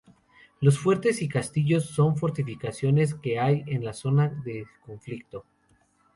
Los fuertes y castillos son fortificaciones que hay en la zona de conflicto.